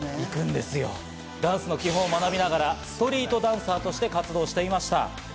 ダンスの基本を学びながら、ストリートダンサーとして活動していました。